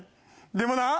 でもな